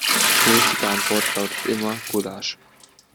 Die richtige Antwort lautet immer Gulasch.